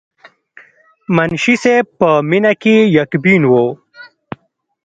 منشي صېب پۀ مينه کښې يک بين وو،